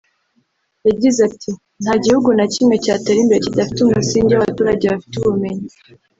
yagize ati “ Nta gihugu na kimwe cyatera imbere kidafite umusingi w’abaturage bafite ubumenyi